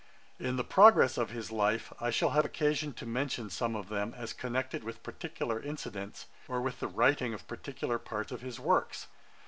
In the progress of his life I shall have occasion to mention some of them as connected with particular incidents, or with the writing of particular parts of his works.